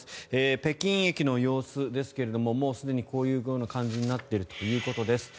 北京駅の様子ですがすでにこういう感じになっているということです。